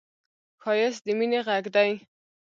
ښایست د مینې غږ دی